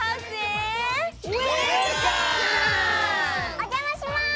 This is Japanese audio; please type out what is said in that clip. おじゃまします！